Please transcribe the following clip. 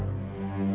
aku mau ke rumah